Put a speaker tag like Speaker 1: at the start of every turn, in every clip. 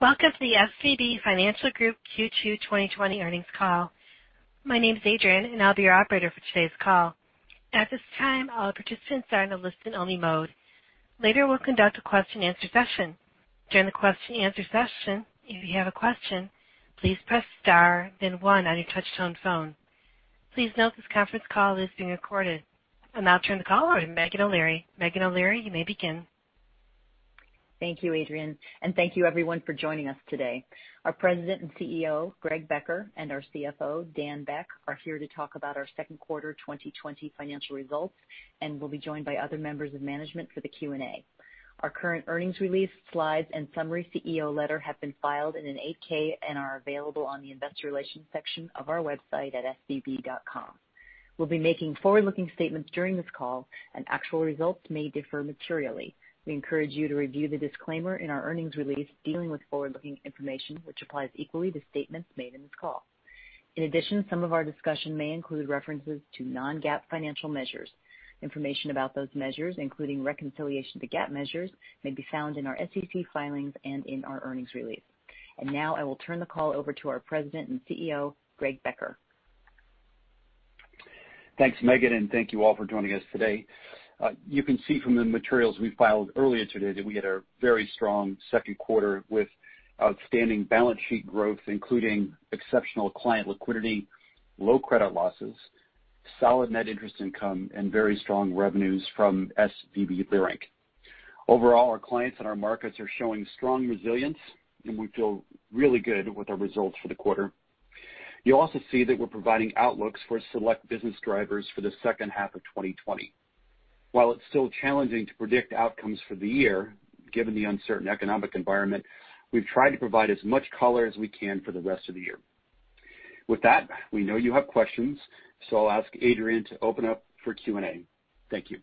Speaker 1: Welcome to the SVB Financial Group Q2 2020 earnings call. My name is Adrian, and I'll be your operator for today's call. At this time, all participants are in a listen-only mode. Later, we'll conduct a question and answer session. During the question and answer session, if you have a question, please press star then one on your touchtone phone. Please note this conference call is being recorded. I'll now turn the call over to Meghan O'Leary. Meghan O'Leary, you may begin.
Speaker 2: Thank you, Adrian. Thank you everyone for joining us today. Our President and CEO, Greg Becker, and our CFO, Daniel Beck, are here to talk about our second quarter 2020 financial results, and will be joined by other members of management for the Q&A. Our current earnings release, slides, and summary CEO letter have been filed in an 8-K and are available on the investor relations section of our website at svb.com. We'll be making forward-looking statements during this call and actual results may differ materially. We encourage you to review the disclaimer in our earnings release dealing with forward-looking information, which applies equally to statements made in this call. In addition, some of our discussion may include references to non-GAAP financial measures. Information about those measures, including reconciliation to GAAP measures, may be found in our SEC filings and in our earnings release. Now I will turn the call over to our President and CEO, Greg Becker.
Speaker 3: Thanks, Meghan, and thank you all for joining us today. You can see from the materials we filed earlier today that we had a very strong second quarter with outstanding balance sheet growth, including exceptional client liquidity, low credit losses, solid net interest income, and very strong revenues from SVB Leerink. Overall, our clients and our markets are showing strong resilience, and we feel really good with our results for the quarter. You'll also see that we're providing outlooks for select business drivers for the second half of 2020. While it's still challenging to predict outcomes for the year, given the uncertain economic environment, we've tried to provide as much color as we can for the rest of the year. With that, we know you have questions, so I'll ask Adrian to open up for Q&A. Thank you.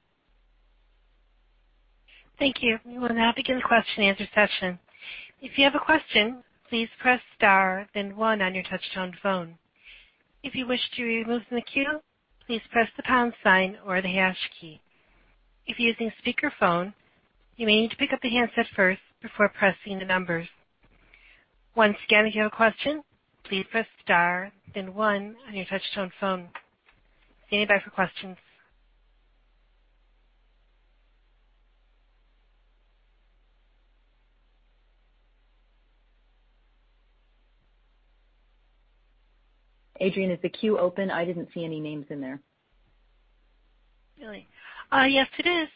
Speaker 1: Thank you. We will now begin the question and answer session. If you have a question, please press star then one on your touchtone phone. If you wish to remove from the queue, please press the pound sign or the hash key. If you're using speakerphone, you may need to pick up the handset first before pressing the numbers. Once again, if you have a question, please press star then one on your touchtone phone. Standing by for questions.
Speaker 2: Adrian, is the queue open? I didn't see any names in there.
Speaker 1: Really? Yes, it is.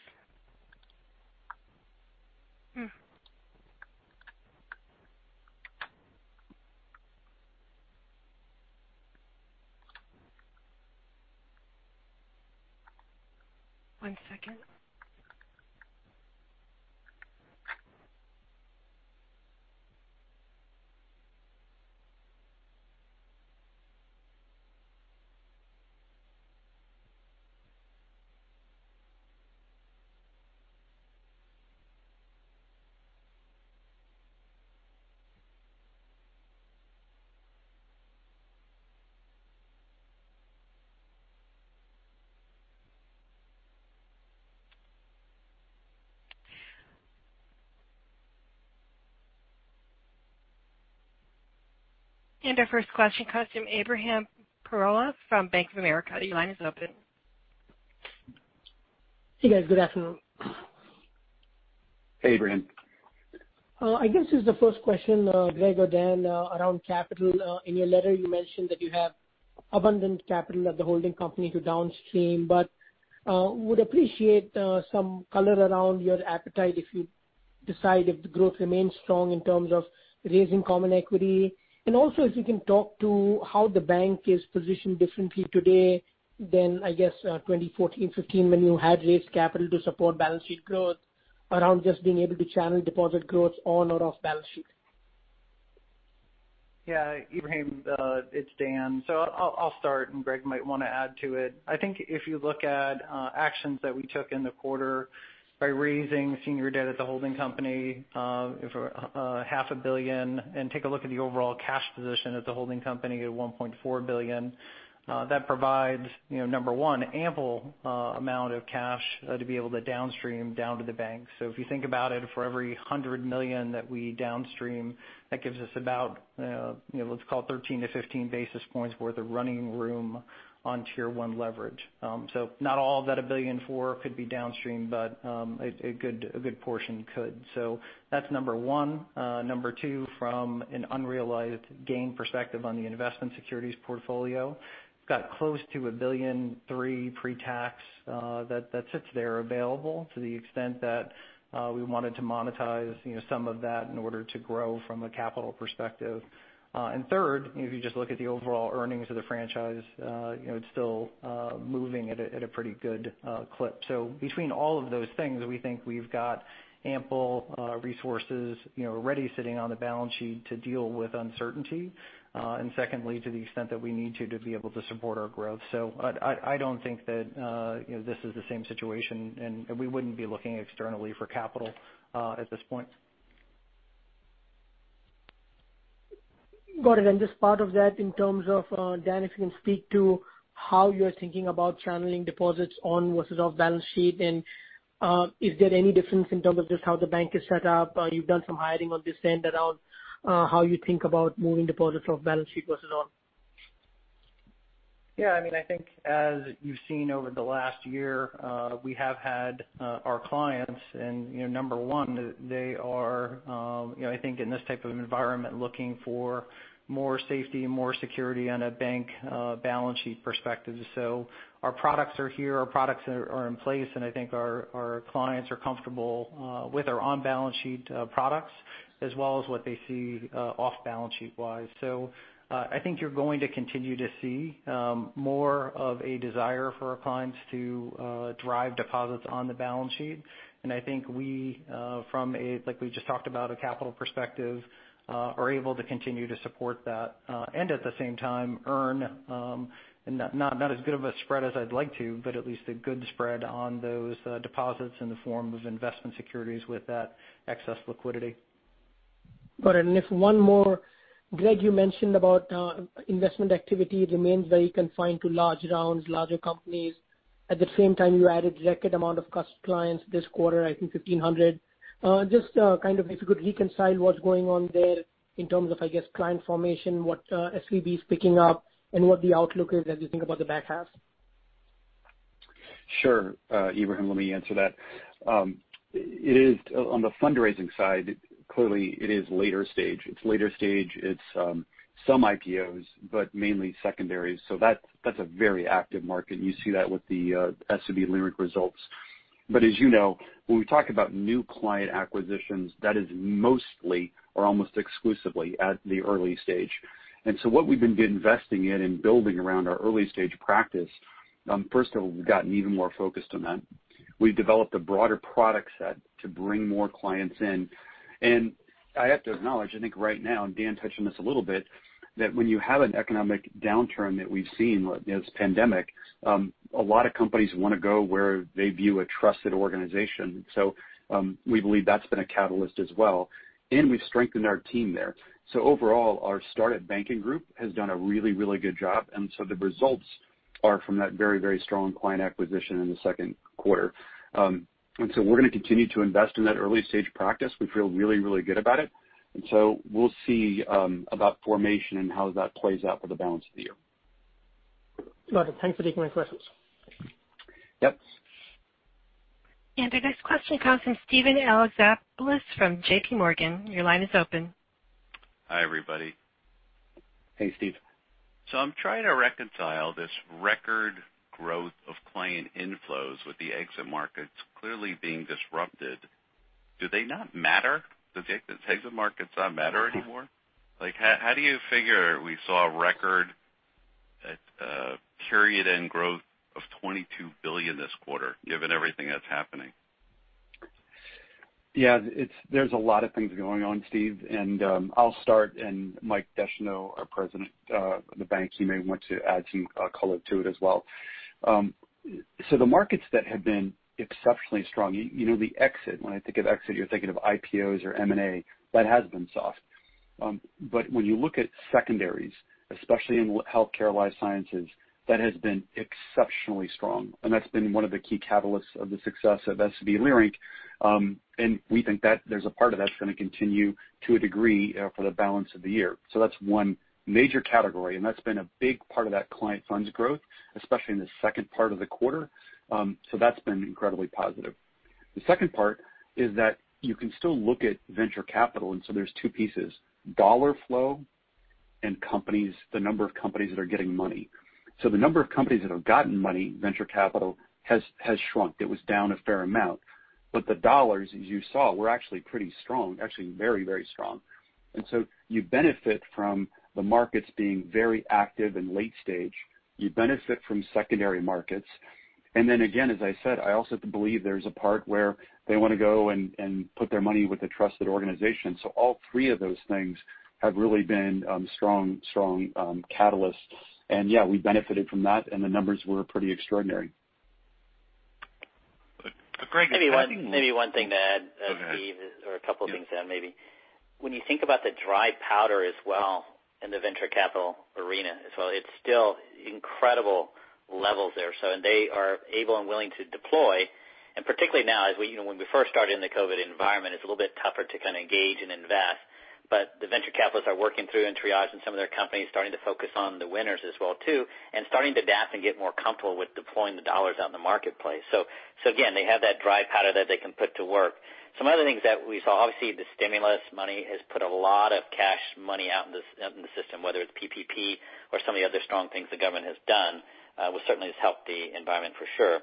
Speaker 1: One second. Our first question comes from Ebrahim Poonawala from Bank of America. Your line is open.
Speaker 4: Hey, guys. Good afternoon.
Speaker 3: Hey, Ebrahim.
Speaker 4: I guess as the first question, Greg or Dan, around capital. In your letter, you mentioned that you have abundant capital at the holding company to downstream, but would appreciate some color around your appetite if you decide if the growth remains strong in terms of raising common equity. Also, if you can talk to how the bank is positioned differently today than, I guess, 2014, 2015, when you had raised capital to support balance sheet growth around just being able to channel deposit growth on or off balance sheet.
Speaker 5: Ebrahim, it's Dan. I'll start, and Greg might want to add to it. I think if you look at actions that we took in the quarter by raising senior debt at the holding company for half a billion, and take a look at the overall cash position at the holding company at $1.4 billion. That provides, number one, ample amount of cash to be able to downstream down to the bank. If you think about it, for every $100 million that we downstream, that gives us about, let's call it 13 to 15 basis points worth of running room on Tier 1 leverage. Not all of that $1.4 billion could be downstream, but a good portion could. That's number one. Number two, from an unrealized gain perspective on the investment securities portfolio, we've got close to $1.3 billion pre-tax that sits there available to the extent that we wanted to monetize some of that in order to grow from a capital perspective. Third, if you just look at the overall earnings of the franchise, it's still moving at a pretty good clip. Between all of those things, we think we've got ample resources already sitting on the balance sheet to deal with uncertainty, and secondly, to the extent that we need to be able to support our growth. I don't think that this is the same situation, and we wouldn't be looking externally for capital at this point.
Speaker 4: Got it. Just part of that in terms of, Dan, if you can speak to how you're thinking about channeling deposits on versus off balance sheet, and is there any difference in terms of just how the bank is set up? You've done some hiring on this end around how you think about moving deposits off balance sheet versus on.
Speaker 5: I think as you've seen over the last year, we have had our clients number one, they are, I think in this type of environment, looking for more safety and more security on a bank balance sheet perspective. Our products are here, our products are in place, I think our clients are comfortable with our on balance sheet products as well as what they see off balance sheet wise. I think you're going to continue to see more of a desire for our clients to drive deposits on the balance sheet. I think we, like we just talked about a capital perspective, are able to continue to support that. At the same time earn, not as good of a spread as I'd like to, at least a good spread on those deposits in the form of investment securities with that excess liquidity.
Speaker 4: Got it. If one more. Greg, you mentioned about investment activity remains very confined to large rounds, larger companies. At the same time, you added record amount of clients this quarter, I think 1,500. Just kind of if you could reconcile what's going on there in terms of, I guess, client formation, what SVB's picking up and what the outlook is as you think about the back half.
Speaker 3: Sure. Ebrahim, let me answer that. On the fundraising side, clearly it is later stage. It's later stage, it's some IPOs, mainly secondaries. That's a very active market, and you see that with the SVB Leerink results. As you know, when we talk about new client acquisitions, that is mostly or almost exclusively at the early stage. What we've been investing in and building around our early-stage practice, first of all, we've gotten even more focused on that. We've developed a broader product set to bring more clients in. I have to acknowledge, I think right now, and Dan touched on this a little bit, that when you have an economic downturn that we've seen this pandemic, a lot of companies want to go where they view a trusted organization. We believe that's been a catalyst as well. We've strengthened our team there. Overall, our startup banking group has done a really good job. The results are from that very strong client acquisition in the second quarter. We're going to continue to invest in that early-stage practice. We feel really good about it. We'll see about formation and how that plays out for the balance of the year.
Speaker 4: Got it. Thanks for taking my questions.
Speaker 3: Yep.
Speaker 1: Our next question comes from Steven Alexopoulos from JPMorgan. Your line is open.
Speaker 6: Hi, everybody.
Speaker 3: Hey, Steve.
Speaker 6: I'm trying to reconcile this record growth of client inflows with the exit markets clearly being disrupted. Do they not matter? Does exit markets not matter anymore? How do you figure we saw a record period end growth of $22 billion this quarter given everything that's happening?
Speaker 3: Yeah. There's a lot of things going on, Steve. I'll start and Mike Descheneaux, our President of the bank, he may want to add some color to it as well. The markets that have been exceptionally strong, the exit, when I think of exit, you're thinking of IPOs or M&A, that has been soft. When you look at secondaries, especially in healthcare life sciences, that has been exceptionally strong. That's been one of the key catalysts of the success of SVB Leerink. We think that there's a part of that's going to continue to a degree for the balance of the year. That's one major category, and that's been a big part of that client funds growth, especially in the second part of the quarter. That's been incredibly positive. The second part is that you can still look at venture capital, and so there's two pieces. Dollar flow and the number of companies that are getting money. The number of companies that have gotten money, venture capital, has shrunk. It was down a fair amount. The dollars, as you saw, were actually pretty strong, actually very strong. You benefit from the markets being very active in late stage. You benefit from secondary markets. Again, as I said, I also believe there's a part where they want to go and put their money with a trusted organization. All three of those things have really been strong catalyst. Yeah, we benefited from that and the numbers were pretty extraordinary.
Speaker 6: Greg,
Speaker 7: Maybe one thing to add, Steve.
Speaker 3: Go ahead.
Speaker 7: A couple of things to add maybe. When you think about the dry powder as well in the venture capital arena as well, it's still incredible levels there. They are able and willing to deploy, and particularly now. When we first started in the COVID environment, it's a little bit tougher to kind of engage and invest. The venture capitalists are working through and triaging some of their companies, starting to focus on the winners as well too, and starting to adapt and get more comfortable with deploying the dollars out in the marketplace. Again, they have that dry powder that they can put to work. Some other things that we saw, obviously the stimulus money has put a lot of cash money out in the system, whether it's PPP or some of the other strong things the government has done, which certainly has helped the environment for sure.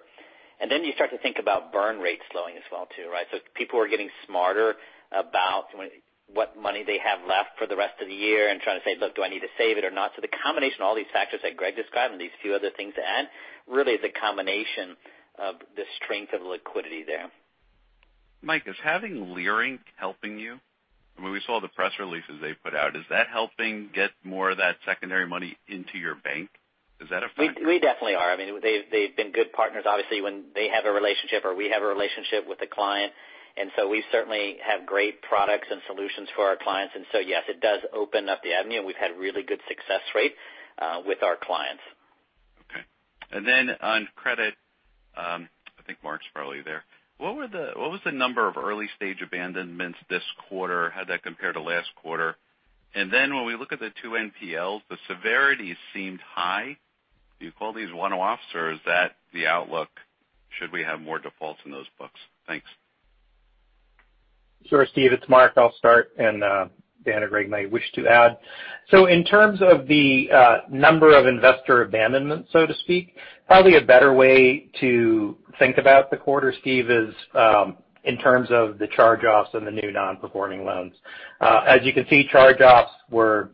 Speaker 7: You start to think about burn rates slowing as well too, right? People are getting smarter about what money they have left for the rest of the year and trying to say, "Look, do I need to save it or not?" The combination of all these factors that Greg described and these few other things to add really is a combination of the strength of liquidity there.
Speaker 6: Mike, is having Leerink helping you? I mean, we saw the press releases they put out. Is that helping get more of that secondary money into your bank? Is that a factor?
Speaker 7: We definitely are. They've been good partners, obviously, when they have a relationship or we have a relationship with a client. We certainly have great products and solutions for our clients. Yes, it does open up the avenue, and we've had really good success rate with our clients.
Speaker 6: Okay. On credit, I think Marc's probably there. What was the number of early-stage abandonments this quarter? How'd that compare to last quarter? When we look at the two NPLs, the severity seemed high. Do you call these one-offs, or is that the outlook should we have more defaults in those books? Thanks.
Speaker 8: Sure, Steve, it's Marc. I'll start. Dan or Greg might wish to add. In terms of the number of investor abandonments, so to speak, probably a better way to think about the quarter, Steve, is in terms of the charge-offs and the new non-performing loans. As you can see, charge-offs were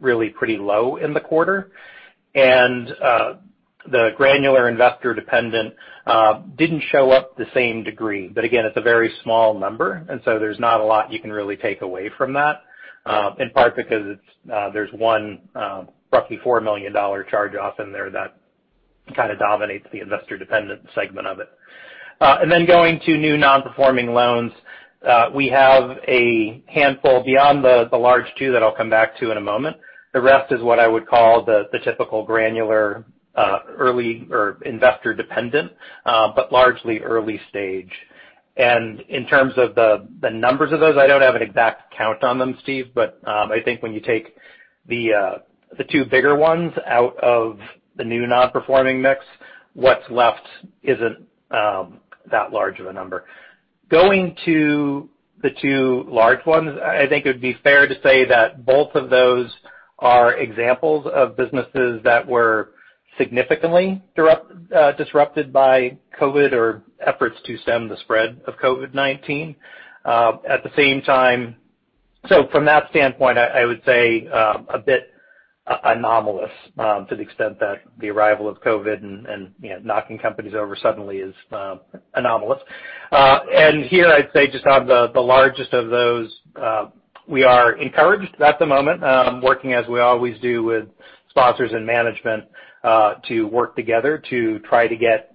Speaker 8: really pretty low in the quarter. The granular investor dependent didn't show up the same degree. Again, it's a very small number, so there's not a lot you can really take away from that, in part because there's one roughly $4 million charge-off in there that kind of dominates the investor dependent segment of it. Going to new non-performing loans, we have a handful beyond the large two that I'll come back to in a moment. The rest is what I would call the typical granular early or investor dependent, but largely early stage. In terms of the numbers of those, I don't have an exact count on them, Steve. I think when you take the two bigger ones out of the new non-performing mix, what's left isn't that large of a number. Going to the two large ones, I think it would be fair to say that both of those are examples of businesses that were significantly disrupted by COVID or efforts to stem the spread of COVID-19. From that standpoint, I would say a bit anomalous to the extent that the arrival of COVID and knocking companies over suddenly is anomalous. Here, I'd say just on the largest of those, we are encouraged at the moment, working as we always do with sponsors and management to work together to try to get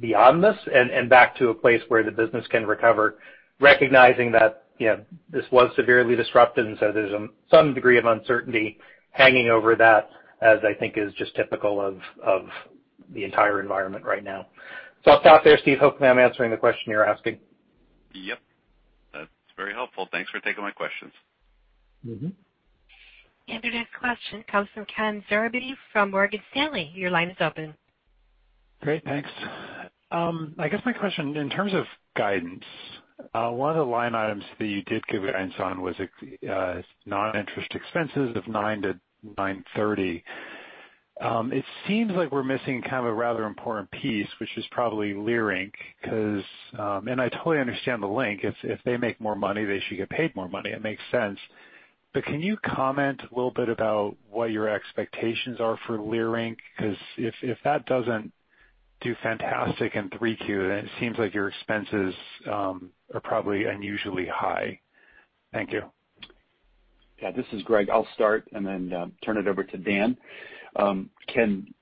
Speaker 8: beyond this and back to a place where the business can recover, recognizing that this was severely disrupted and so there's some degree of uncertainty hanging over that as I think is just typical of the entire environment right now. I'll stop there, Steve. Hopefully I'm answering the question you're asking.
Speaker 6: Yep, that's very helpful. Thanks for taking my questions.
Speaker 1: Your next question comes from Ken Zerbe from Morgan Stanley. Your line is open.
Speaker 9: Great, thanks. I guess my question, in terms of guidance, one of the line items that you did give guidance on was non-interest expenses of $9 to $930. It seems like we're missing kind of a rather important piece, which is probably Leerink. I totally understand the Leerink if they make more money, they should get paid more money. It makes sense. Can you comment a little bit about what your expectations are for Leerink? Because if that doesn't do fantastic in 3Q, then it seems like your expenses are probably unusually high. Thank you.
Speaker 3: Yeah, this is Greg. I'll start and then turn it over to Dan. Ken,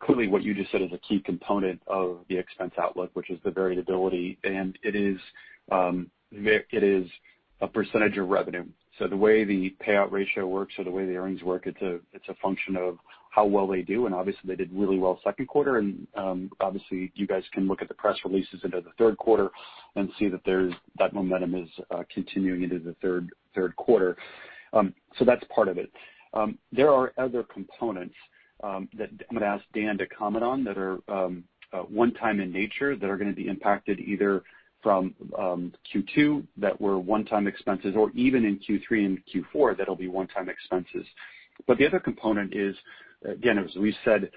Speaker 3: clearly what you just said is a key component of the expense outlook, which is the variability, and it is a percentage of revenue. The way the payout ratio works or the way the earnings work, it's a function of how well they do, and obviously they did really well second quarter. Obviously you guys can look at the press releases into the third quarter and see that that momentum is continuing into the third quarter. That's part of it. There are other components that I'm going to ask Dan to comment on that are one time in nature that are going to be impacted either from Q2 that were one-time expenses or even in Q3 and Q4 that'll be one-time expenses. The other component is, again, as we've said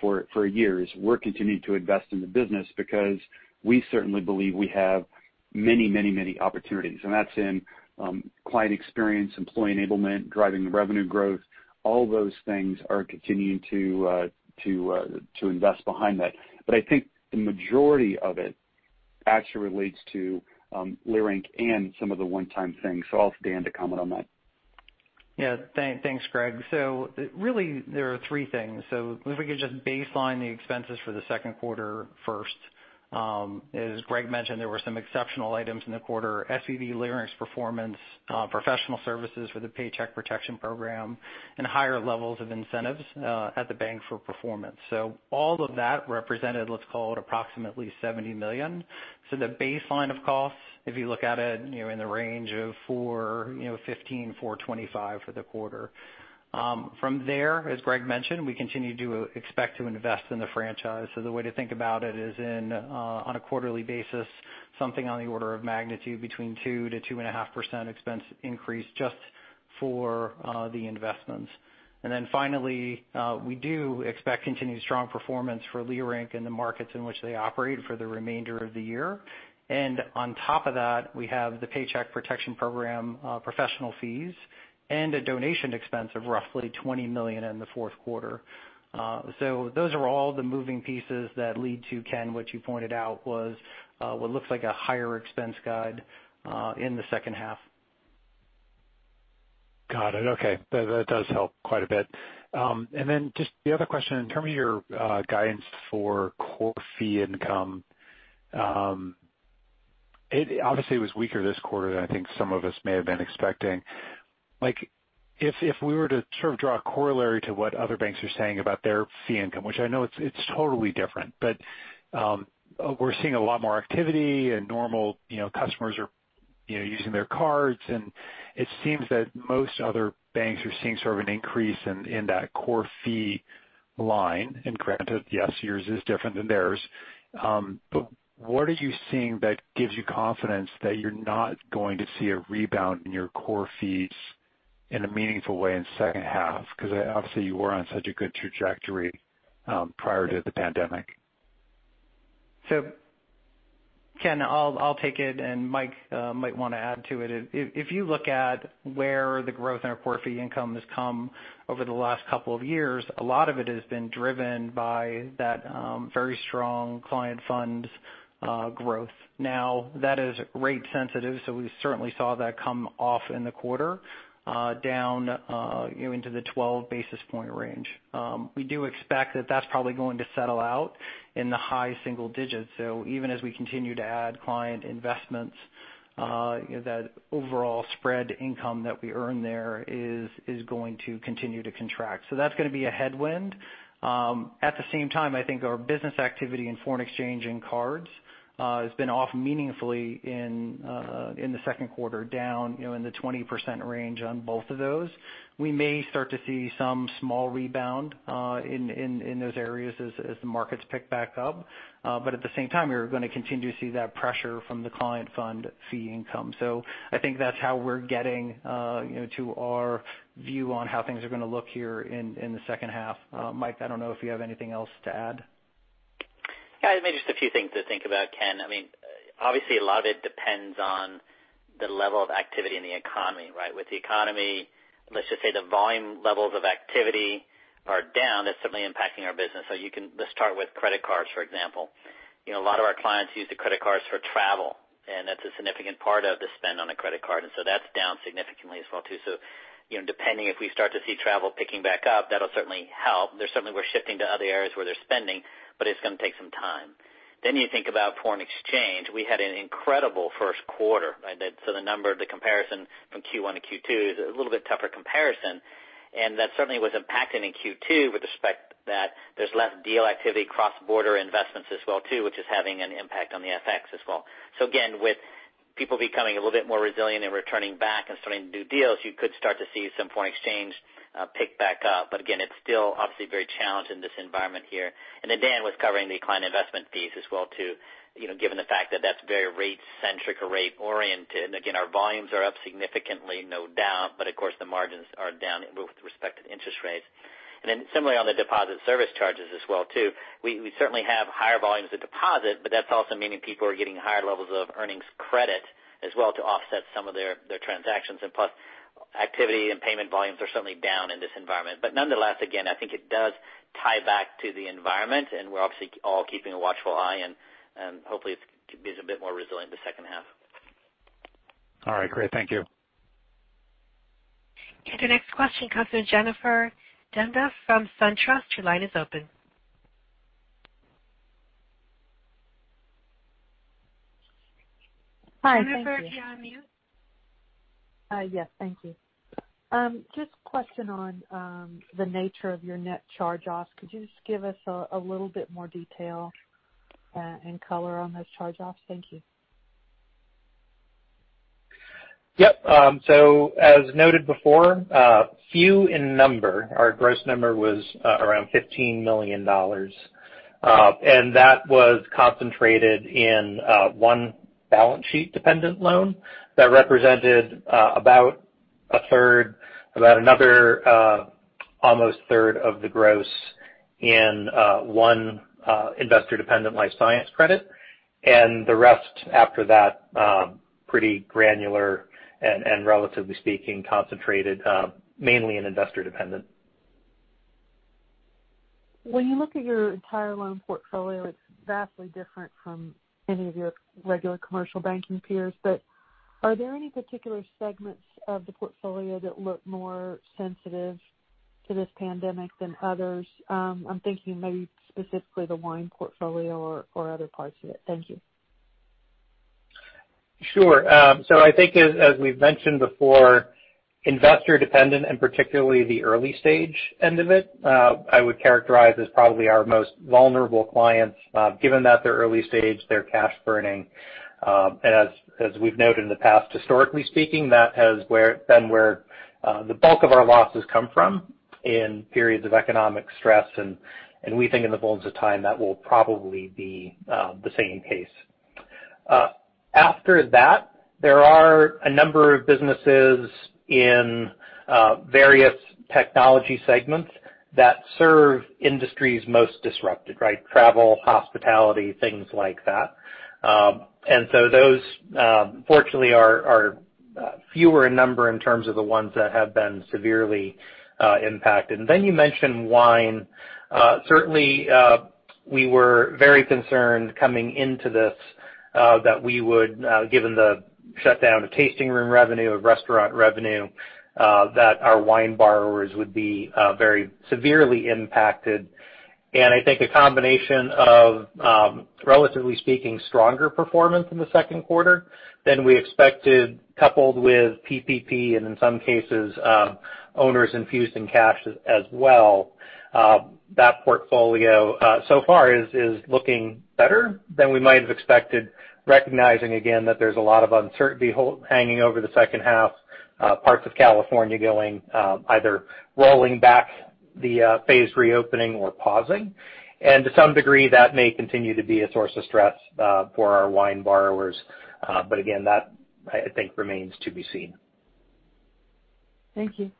Speaker 3: for years, we're continuing to invest in the business because we certainly believe we have many opportunities, and that's in client experience, employee enablement, driving revenue growth. All those things are continuing to invest behind that. I think the majority of it actually relates to SVB Leerink and some of the one-time things. I'll ask Dan to comment on that.
Speaker 5: Yeah. Thanks, Greg. Really there are three things. If we could just baseline the expenses for the second quarter first. As Greg mentioned, there were some exceptional items in the quarter. SVB Leerink's performance, professional services for the Paycheck Protection Program, and higher levels of incentives at the bank for performance. All of that represented, let's call it approximately $70 million. The baseline of costs, if you look at it in the range of $415-$425 for the quarter. From there, as Greg mentioned, we continue to expect to invest in the franchise. The way to think about it is on a quarterly basis, something on the order of magnitude between 2%-2.5% expense increase just for the investments. Finally, we do expect continued strong performance for Leerink. in the markets in which they operate for the remainder of the year. On top of that, we have the Paycheck Protection Program professional fees and a donation expense of roughly $20 million in the fourth quarter. Those are all the moving pieces that lead to Ken, what you pointed out was what looks like a higher expense guide in the second half.
Speaker 9: Got it. Okay. That does help quite a bit. Just the other question in terms of your guidance for core fee income. Obviously it was weaker this quarter than I think some of us may have been expecting. If we were to sort of draw a corollary to what other banks are saying about their fee income, which I know it's totally different, but we're seeing a lot more activity and normal customers are using their cards, and it seems that most other banks are seeing sort of an increase in that core fee line. Granted, yes, yours is different than theirs. What are you seeing that gives you confidence that you're not going to see a rebound in your core fees in a meaningful way in second half? Because obviously you were on such a good trajectory prior to the pandemic.
Speaker 5: Ken, I'll take it and Mike might want to add to it. If you look at where the growth in our core fee income has come over the last couple of years, a lot of it has been driven by that very strong client funds growth. That is rate sensitive, so we certainly saw that come off in the quarter down into the 12 basis point range. We do expect that that's probably going to settle out in the high single digits. Even as we continue to add client investments, that overall spread income that we earn there is going to continue to contract. That's going to be a headwind. At the same time, I think our business activity in foreign exchange and cards has been off meaningfully in the second quarter, down in the 20% range on both of those. We may start to see some small rebound in those areas as the markets pick back up. At the same time, we're going to continue to see that pressure from the client fund fee income. I think that's how we're getting to our view on how things are going to look here in the second half. Mike, I don't know if you have anything else to add.
Speaker 7: Maybe just a few things to think about, Ken. Obviously a lot of it depends on the level of activity in the economy, right? With the economy, let's just say the volume levels of activity are down, that's certainly impacting our business. Let's start with credit cards, for example. A lot of our clients use the credit cards for travel, and that's a significant part of the spend on a credit card, and so that's down significantly as well too. Depending if we start to see travel picking back up, that'll certainly help. Certainly we're shifting to other areas where they're spending, but it's going to take some time. You think about foreign exchange. We had an incredible first quarter. The number, the comparison from Q1 to Q2 is a little bit tougher comparison, and that certainly was impacting in Q2 with respect that there's less deal activity across border investments as well too, which is having an impact on the FX as well. Again, with people becoming a little bit more resilient and returning back and starting to do deals, you could start to see some foreign exchange pick back up. Again, it's still obviously very challenging, this environment here. Dan was covering the client investment fees as well too. Given the fact that that's very rate centric or rate oriented, and again, our volumes are up significantly, no doubt. Of course the margins are down with respect to interest rates. Similarly on the deposit service charges as well too. We certainly have higher volumes of deposit, but that's also meaning people are getting higher levels of earnings credit as well to offset some of their transactions. Plus activity and payment volumes are certainly down in this environment. Nonetheless, again, I think it does tie back to the environment and we're obviously all keeping a watchful eye and hopefully it's a bit more resilient the second half.
Speaker 9: All right, great. Thank you.
Speaker 1: Okay, the next question comes from Jennifer Demba from SunTrust. Your line is open.
Speaker 10: Hi. Thank you.
Speaker 1: Jennifer, you're on mute. Yes. Thank you. Just a question on the nature of your net charge-offs. Could you just give us a little bit more detail and color on those charge-offs? Thank you.
Speaker 8: Yep. As noted before, few in number. Our gross number was around $15 million. That was concentrated in one balance sheet dependent loan that represented about a third, about another almost third of the gross in one investor dependent life science credit. The rest after that, pretty granular and relatively speaking, concentrated mainly in investor dependent.
Speaker 10: When you look at your entire loan portfolio, it's vastly different from any of your regular commercial banking peers. Are there any particular segments of the portfolio that look more sensitive to this pandemic than others? I'm thinking maybe specifically the wine portfolio or other parts of it. Thank you.
Speaker 8: Sure. I think as we've mentioned before, investor dependent, and particularly the early stage end of it, I would characterize as probably our most vulnerable clients, given that they're early stage, they're cash burning. As we've noted in the past, historically speaking, that has been where the bulk of our losses come from in periods of economic stress, and we think in the fullness of time, that will probably be the same case. After that, there are a number of businesses in various technology segments that serve industries most disrupted, right? Travel, hospitality, things like that. Those, fortunately are fewer in number in terms of the ones that have been severely impacted. You mentioned wine. We were very concerned coming into this that we would, given the shutdown of tasting room revenue, of restaurant revenue, that our wine borrowers would be very severely impacted. I think a combination of, relatively speaking, stronger performance in the second quarter than we expected, coupled with PPP and in some cases, owners infusing cash as well. That portfolio so far is looking better than we might have expected, recognizing again, that there's a lot of uncertainty hanging over the second half. Parts of California going either rolling back the phase reopening or pausing. To some degree, that may continue to be a source of stress for our wine borrowers. Again, that I think remains to be seen.
Speaker 10: Thank you.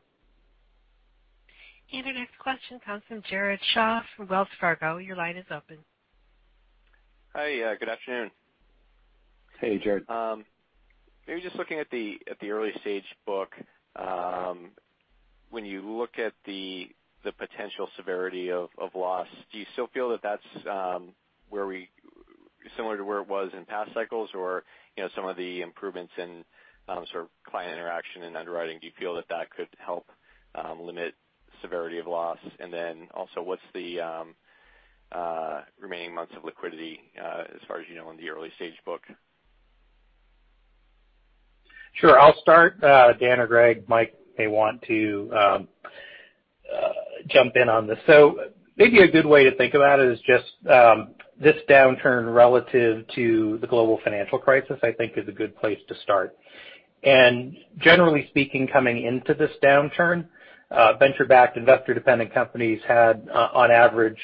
Speaker 1: Our next question comes from Jared Shaw from Wells Fargo. Your line is open.
Speaker 11: Hi. Good afternoon.
Speaker 8: Hey, Jared.
Speaker 11: Just looking at the early-stage book. When you look at the potential severity of loss, do you still feel that that's similar to where it was in past cycles? Some of the improvements in sort of client interaction and underwriting, do you feel that that could help limit severity of loss? What's the remaining months of liquidity as far as you know, in the early stage book?
Speaker 8: Sure. I'll start. Dan or Greg, Mike may want to jump in on this. Maybe a good way to think about it is just this downturn relative to the global financial crisis, I think is a good place to start. Generally speaking, coming into this downturn, venture-backed investor-dependent companies had, on average,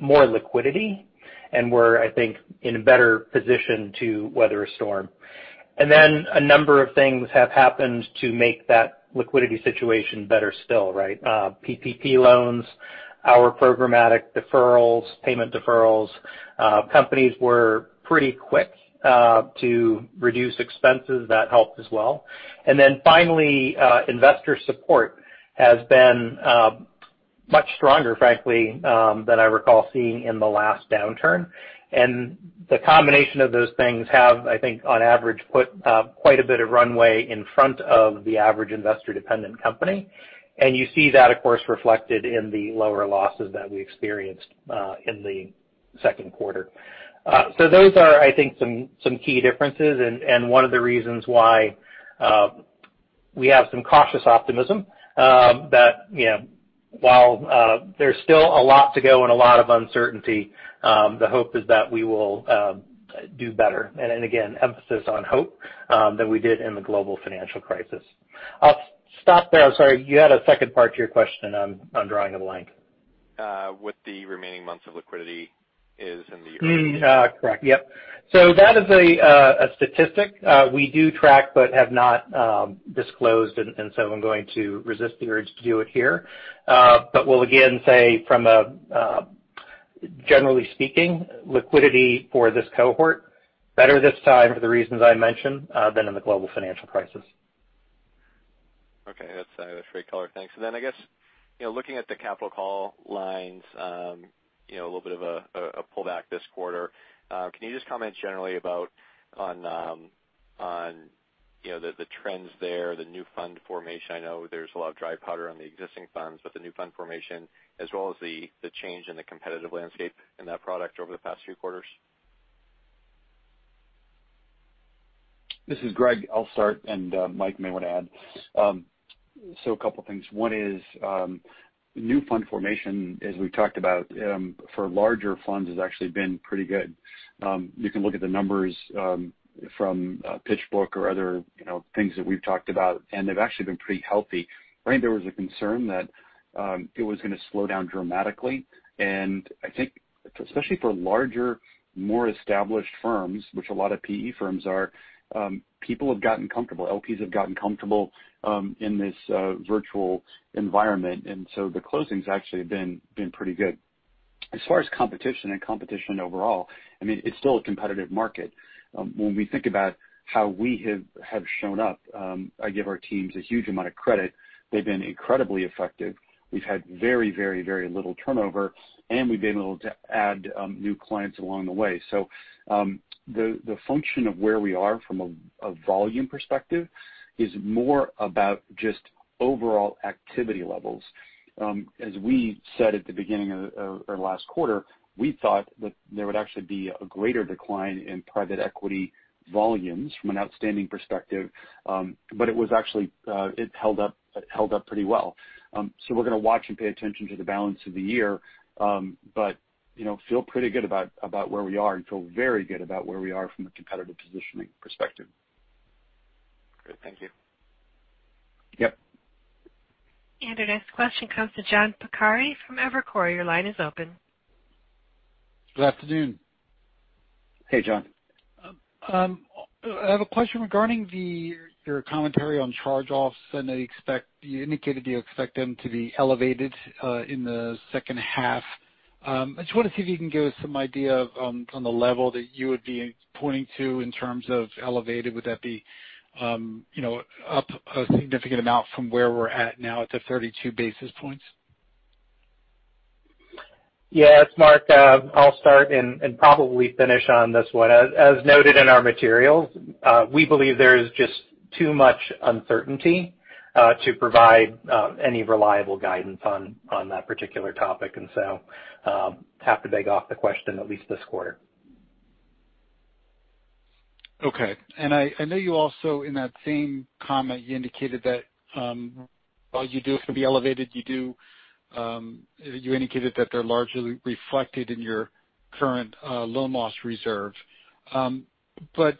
Speaker 8: more liquidity and were, I think, in a better position to weather a storm. A number of things have happened to make that liquidity situation better still, right? PPP loans, our programmatic deferrals, payment deferrals. Companies were pretty quick to reduce expenses. That helped as well. Finally, investor support has been much stronger, frankly, than I recall seeing in the last downturn. The combination of those things have, I think, on average, put quite a bit of runway in front of the average investor-dependent company. You see that, of course, reflected in the lower losses that we experienced in the second quarter. Those are, I think, some key differences and one of the reasons why we have some cautious optimism that while there's still a lot to go and a lot of uncertainty, the hope is that we will do better. Again, emphasis on hope than we did in the global financial crisis. I'll stop there. I'm sorry. You had a second part to your question. I'm drawing a blank.
Speaker 11: What the remaining months of liquidity is in the year?
Speaker 8: Correct. Yep. That is a statistic we do track but have not disclosed. I'm going to resist the urge to do it here. Will again say from a generally speaking, liquidity for this cohort, better this time for the reasons I mentioned than in the global financial crisis.
Speaker 11: Okay. That's a great color. Thanks. Then I guess, looking at the capital call lines, a little bit of a pullback this quarter. Can you just comment generally about on the trends there, the new fund formation? I know there's a lot of dry powder on the existing funds, but the new fund formation as well as the change in the competitive landscape in that product over the past few quarters.
Speaker 3: This is Greg. I'll start, and Mike may want to add. A couple of things. One is new fund formation, as we've talked about for larger funds, has actually been pretty good. You can look at the numbers from PitchBook or other things that we've talked about, and they've actually been pretty healthy. There was a concern that it was going to slow down dramatically, and I think especially for larger, more established firms, which a lot of PE firms are, people have gotten comfortable. LPs have gotten comfortable in this virtual environment, and so the closings actually have been pretty good. As far as competition and competition overall, it's still a competitive market. When we think about how we have shown up, I give our teams a huge amount of credit. They've been incredibly effective. We've had very little turnover, and we've been able to add new clients along the way. The function of where we are from a volume perspective is more about just overall activity levels. As we said at the beginning of last quarter, we thought that there would actually be a greater decline in private equity volumes from an outstanding perspective. It held up pretty well. We're going to watch and pay attention to the balance of the year but feel pretty good about where we are and feel very good about where we are from a competitive positioning perspective.
Speaker 11: Great. Thank you.
Speaker 3: Yep.
Speaker 1: Our next question comes to John Pancari from Evercore. Your line is open.
Speaker 12: Good afternoon.
Speaker 8: Hey, John.
Speaker 12: I have a question regarding your commentary on charge-offs, and you indicated you expect them to be elevated in the second half. I just want to see if you can give us some idea on the level that you would be pointing to in terms of elevated. Would that be up a significant amount from where we're at now to 32 basis points?
Speaker 8: Yes, Marc. I'll start and probably finish on this one. As noted in our materials, we believe there is just too much uncertainty to provide any reliable guidance on that particular topic. We have to beg off the question, at least this quarter.
Speaker 12: Okay. I know you also, in that same comment, you indicated that while you do be elevated, you indicated that they're largely reflected in your current loan loss reserve. I go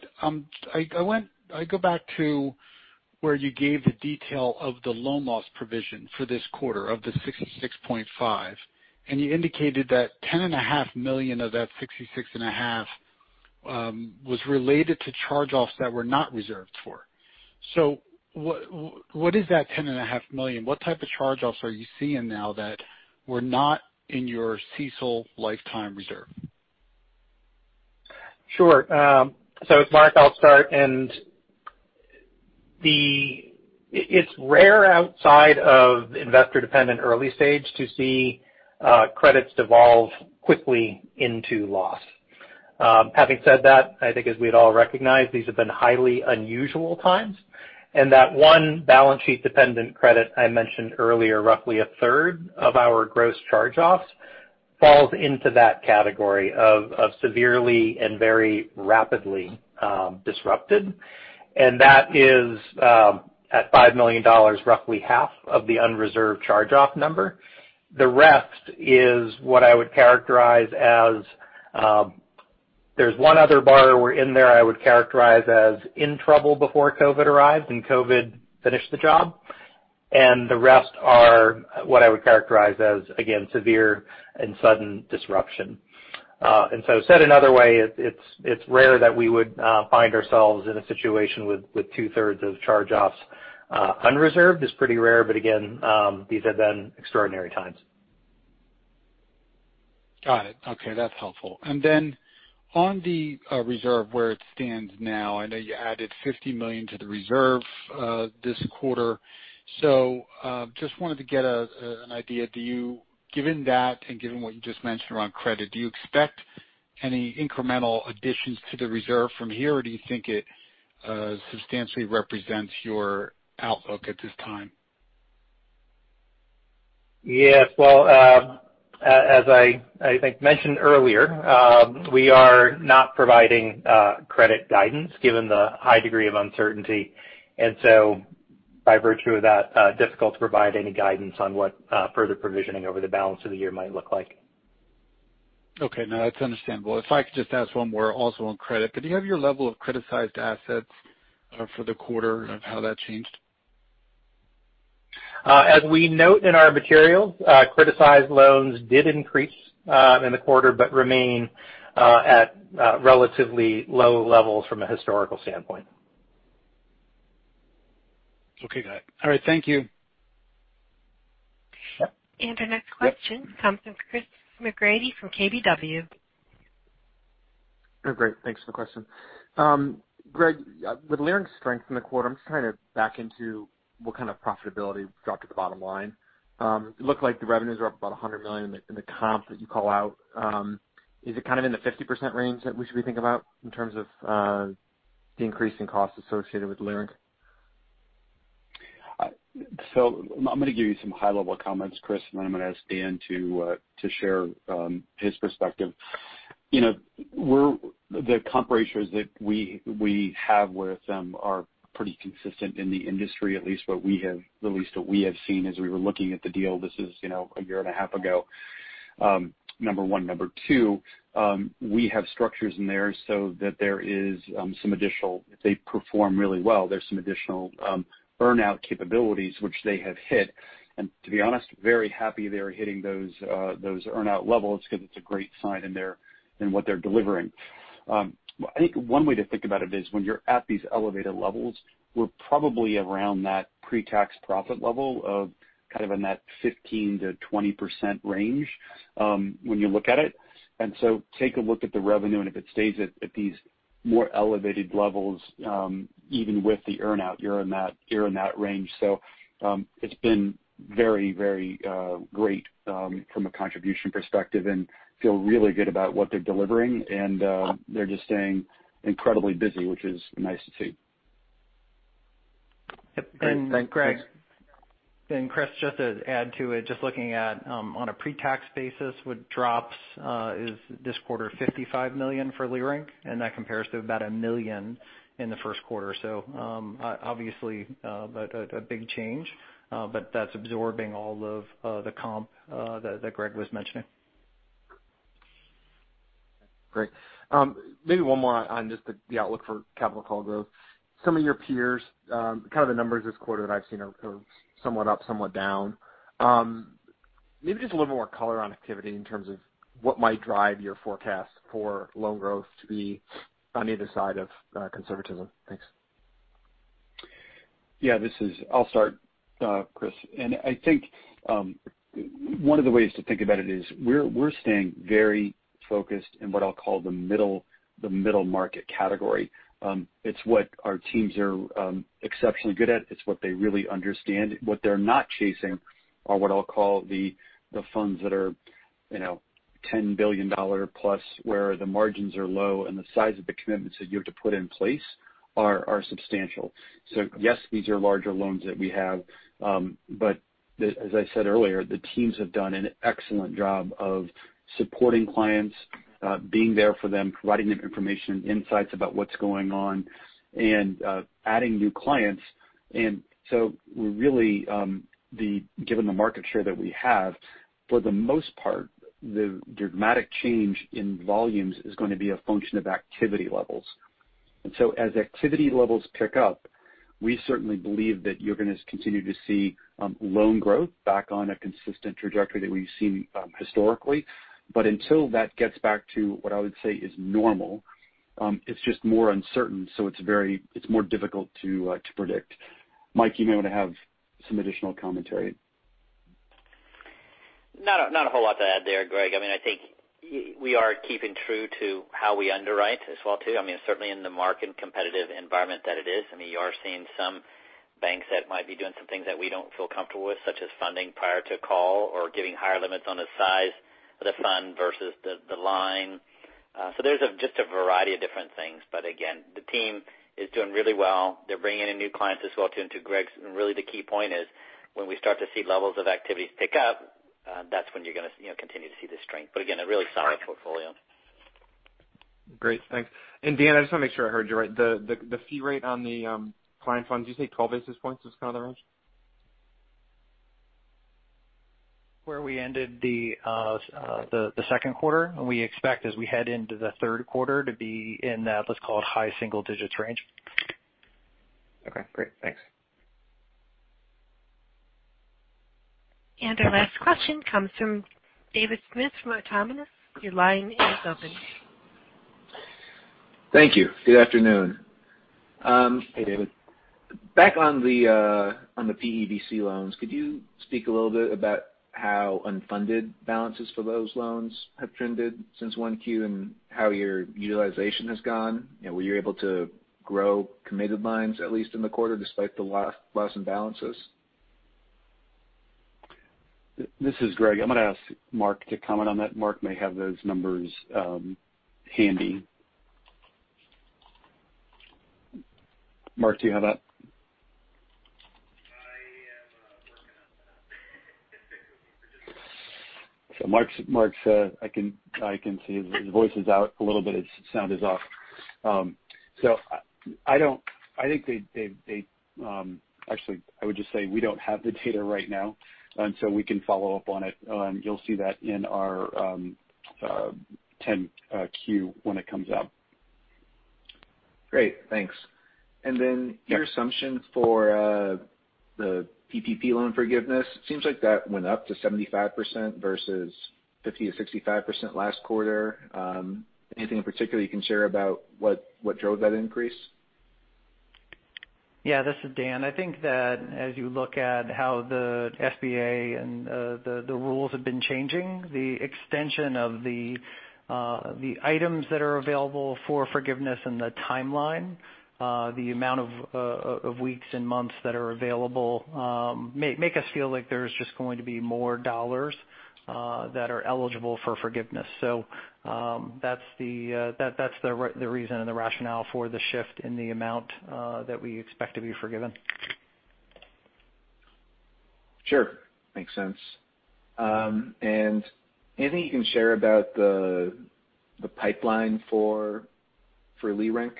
Speaker 12: back to where you gave the detail of the loan loss provision for this quarter of the $66.5 million, and you indicated that $10.5 million of that $66.5 million was related to charge-offs that were not reserved for. What is that $10.5 million? What type of charge-offs are you seeing now that were not in your CECL lifetime reserve?
Speaker 8: Sure. It's Marc, I'll start. It's rare outside of investor-dependent early stage to see credits devolve quickly into loss. Having said that, I think as we'd all recognize, these have been highly unusual times, and that one balance sheet-dependent credit I mentioned earlier, roughly a third of our gross charge-offs, falls into that category of severely and very rapidly disrupted, and that is at $5 million, roughly half of the unreserved charge-off number. The rest is what I would characterize as there's one other borrower in there I would characterize as in trouble before COVID arrived, and COVID finished the job. The rest are what I would characterize as, again, severe and sudden disruption. Said another way, it's rare that we would find ourselves in a situation with 2/3, of charge-offs unreserved. It's pretty rare, again, these have been extraordinary times.
Speaker 12: Got it. Okay, that's helpful. On the reserve where it stands now, I know you added $50 million to the reserve this quarter. Just wanted to get an idea. Given that and given what you just mentioned around credit, do you expect any incremental additions to the reserve from here, or do you think it substantially represents your outlook at this time?
Speaker 8: Yes. Well, as I think mentioned earlier, we are not providing credit guidance given the high degree of uncertainty. By virtue of that, difficult to provide any guidance on what further provisioning over the balance of the year might look like.
Speaker 12: Okay. No, that's understandable. If I could just ask one more also on credit. Could you have your level of criticized assets for the quarter and how that changed?
Speaker 8: As we note in our materials, criticized loans did increase in the quarter, but remain at relatively low levels from a historical standpoint.
Speaker 12: Okay, got it. All right, thank you.
Speaker 1: Our next question comes from Chris McGratty from KBW.
Speaker 13: Oh, great. Thanks for the question. Greg, with Leerink's strength in the quarter, I'm just trying to back into what kind of profitability dropped at the bottom line. Looked like the revenues were up about $100 million in the comp that you call out. Is it kind of in the 50% range that we should be thinking about in terms of the increase in costs associated with Leerink?
Speaker 3: I'm going to give you some high-level comments, Chris, and then I'm going to ask Dan to share his perspective. The comp ratios that we have with them are pretty consistent in the industry, at least what we have seen as we were looking at the deal. This is a year and a half ago, number one. Number two, we have structures in there so that there is some additional if they perform really well, there's some additional earn-out capabilities which they have hit. To be honest, very happy they are hitting those earn-out levels because it's a great sign in what they're delivering. I think one way to think about it is when you're at these elevated levels, we're probably around that pre-tax profit level of kind of in that 15%-20% range when you look at it. Take a look at the revenue, and if it stays at these more elevated levels even with the earn-out, you're in that range. It's been very great from a contribution perspective and feel really good about what they're delivering, and they're just staying incredibly busy, which is nice to see.
Speaker 5: Yep. Great. Thanks. Chris, just to add to it, just looking at on a pre-tax basis, what drops is this quarter $55 million for Leerink, and that compares to about $1 million in the first quarter. Obviously a big change. That's absorbing all of the comp that Greg was mentioning.
Speaker 13: Great. Maybe one more on just the outlook for capital call growth. Some of your peers, kind of the numbers this quarter that I've seen are somewhat up, somewhat down. Maybe just a little more color on activity in terms of what might drive your forecast for loan growth to be on either side of conservatism? Thanks.
Speaker 3: Yeah, I'll start, Chris. I think one of the ways to think about it is we're staying very focused in what I'll call the middle market category. It's what our teams are exceptionally good at. It's what they really understand. What they're not chasing are what I'll call the funds that are $10 billion plus, where the margins are low and the size of the commitments that you have to put in place are substantial. Yes, these are larger loans that we have. As I said earlier, the teams have done an excellent job of supporting clients, being there for them, providing them information and insights about what's going on and adding new clients. Given the market share that we have, for the most part, the dramatic change in volumes is going to be a function of activity levels. As activity levels pick up, we certainly believe that you're going to continue to see loan growth back on a consistent trajectory that we've seen historically. Until that gets back to what I would say is normal, it's just more uncertain. It's more difficult to predict. Mike, you may want to have some additional commentary.
Speaker 7: Not a whole lot to add there, Greg. I think we are keeping true to how we underwrite as well too. Certainly in the market competitive environment that it is, you are seeing some banks that might be doing some things that we don't feel comfortable with, such as funding prior to call or giving higher limits on the size of the fund versus the line. There's just a variety of different things. Again, the team is doing really well. They're bringing in new clients as well too. To Greg's, really the key point is when we start to see levels of activities pick up, that's when you're going to continue to see the strength. Again, a really solid portfolio.
Speaker 13: Great. Thanks. Dan, I just want to make sure I heard you right. The fee rate on the client funds, did you say 12 basis points was kind of the range?
Speaker 5: Where we ended the second quarter, and we expect as we head into the third quarter to be in that let's call it high single digits range.
Speaker 13: Okay, great. Thanks.
Speaker 1: Our last question comes from David Smith from Autonomous. Your line is open.
Speaker 14: Thank you. Good afternoon.
Speaker 3: Hey, David.
Speaker 14: Back on the PE/VC loans, could you speak a little bit about how unfunded balances for those loans have trended since 1Q and how your utilization has gone? Were you able to grow committed lines at least in the quarter despite the loss in balances?
Speaker 3: This is Greg. I'm going to ask Marc to comment on that. Marc may have those numbers handy. Marc, do you have that?
Speaker 8: I am working on that.
Speaker 3: Marc said I can see his voice is out a little bit. His sound is off. Actually, I would just say we don't have the data right now, we can follow up on it. You'll see that in our 10-Q when it comes out.
Speaker 14: Great. Thanks. Your assumption for the PPP loan forgiveness, seems like that went up to 75% versus 50%-65% last quarter. Anything in particular you can share about what drove that increase?
Speaker 5: Yeah, this is Dan. I think that as you look at how the SBA and the rules have been changing, the extension of the items that are available for forgiveness and the timeline, the amount of weeks and months that are available make us feel like there's just going to be more dollars that are eligible for forgiveness. That's the reason and the rationale for the shift in the amount that we expect to be forgiven.
Speaker 14: Sure. Makes sense. Anything you can share about the pipeline for Leerink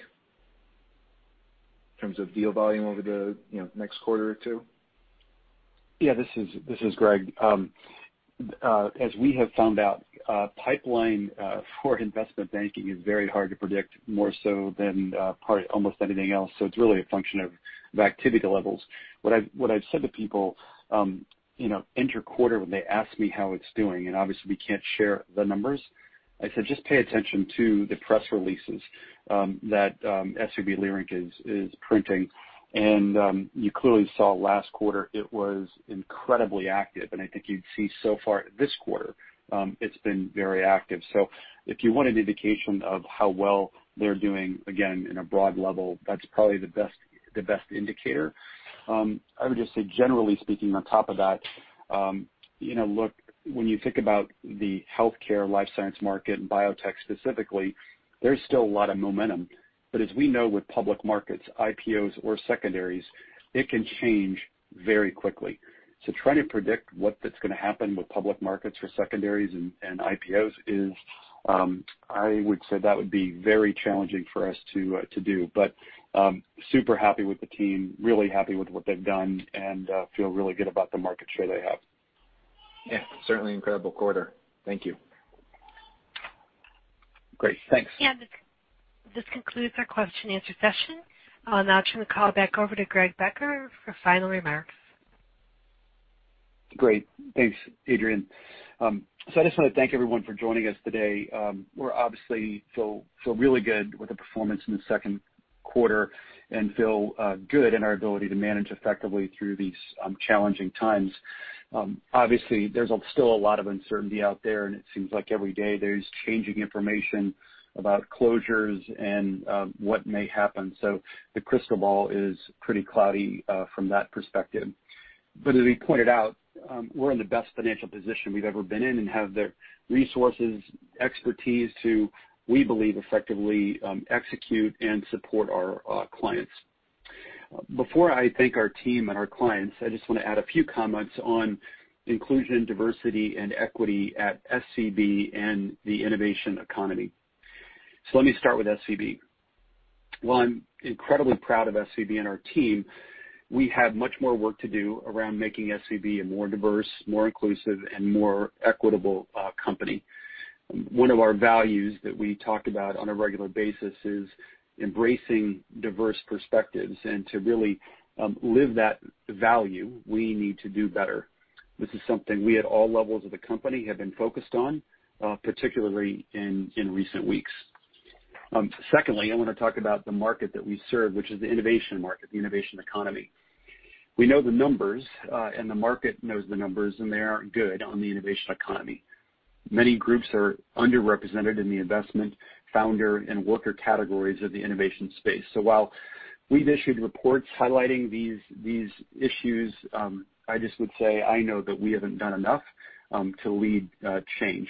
Speaker 14: in terms of deal volume over the next quarter or two?
Speaker 3: Yeah, this is Greg. As we have found out, pipeline for investment banking is very hard to predict, more so than probably almost anything else. It's really a function of activity levels. What I've said to people inter-quarter when they ask me how it's doing, and obviously we can't share the numbers, I said just pay attention to the press releases that SVB Leerink is printing. You clearly saw last quarter it was incredibly active, and I think you'd see so far this quarter it's been very active. If you want an indication of how well they're doing, again, in a broad level, that's probably the best indicator. I would just say generally speaking on top of that, look, when you think about the healthcare life science market and biotech specifically, there's still a lot of momentum. As we know with public markets, IPOs or secondaries, it can change very quickly. Trying to predict what that's going to happen with public markets for secondaries and IPOs is I would say that would be very challenging for us to do. Super happy with the team, really happy with what they've done and feel really good about the market share they have.
Speaker 14: Yeah, certainly incredible quarter. Thank you.
Speaker 3: Great. Thanks.
Speaker 1: This concludes our question and answer session. I'll now turn the call back over to Greg Becker for final remarks.
Speaker 3: Great. Thanks, Adrian. I just want to thank everyone for joining us today. We obviously feel really good with the performance in the second quarter and feel good in our ability to manage effectively through these challenging times. Obviously, there's still a lot of uncertainty out there, and it seems like every day there's changing information about closures and what may happen. The crystal ball is pretty cloudy from that perspective. As we pointed out, we're in the best financial position we've ever been in and have the resources, expertise to, we believe, effectively execute and support our clients. Before I thank our team and our clients, I just want to add a few comments on inclusion, diversity, and equity at SVB and the innovation economy. Let me start with SVB. While I'm incredibly proud of SVB and our team, we have much more work to do around making SVB a more diverse, more inclusive, and more equitable company. One of our values that we talk about on a regular basis is embracing diverse perspectives, and to really live that value, we need to do better. This is something we, at all levels of the company, have been focused on, particularly in recent weeks. Secondly, I want to talk about the market that we serve, which is the innovation market, the innovation economy. We know the numbers, and the market knows the numbers, and they aren't good on the innovation economy. Many groups are underrepresented in the investment, founder, and worker categories of the innovation space. While we've issued reports highlighting these issues, I just would say, I know that we haven't done enough to lead change.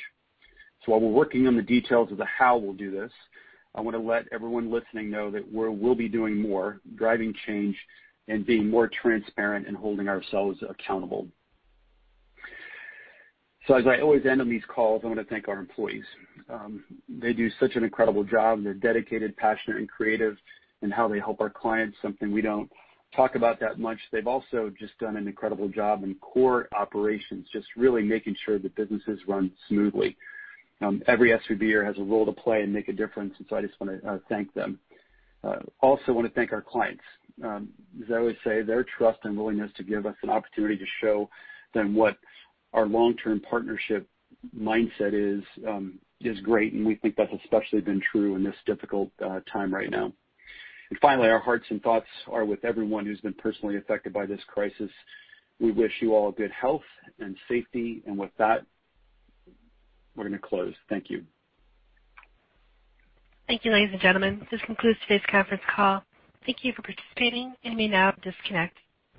Speaker 3: While we're working on the details of the how we'll do this, I want to let everyone listening know that we'll be doing more, driving change, and being more transparent and holding ourselves accountable. As I always end on these calls, I want to thank our employees. They do such an incredible job. They're dedicated, passionate, and creative in how they help our clients, something we don't talk about that much. They've also just done an incredible job in core operations, just really making sure that businesses run smoothly. Every SVBer has a role to play and make a difference. I just want to thank them. I also want to thank our clients. As I always say, their trust and willingness to give us an opportunity to show them what our long-term partnership mindset is great, and we think that's especially been true in this difficult time right now. Finally, our hearts and thoughts are with everyone who's been personally affected by this crisis. We wish you all good health and safety. With that, we're going to close. Thank you.
Speaker 1: Thank you, ladies and gentlemen. This concludes today's conference call. Thank you for participating. You may now disconnect.